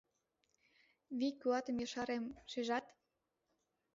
Вий-куатым ешарем, шижат?